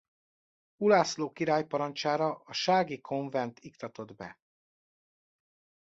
Ulászló király parancsára a sági konvent iktatott be.